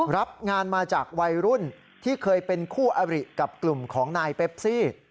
รับงานมาจากวัยรุ่นที่เคยเป็นคู่อริกับกลุ่มของนายเปปซี่